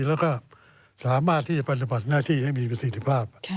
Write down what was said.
แล้วก็สามารถที่จะปฏิบัติหน้าที่ให้มีประสิทธิภาพ